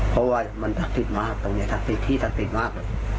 เพราะว่ามันทักษิตมากตรงนี้ทักษิตที่ทักษิตมาก